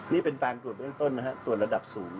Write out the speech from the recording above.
นี่เป็นตามจุดเรื่องต้นนะฮะตัวระดับสูง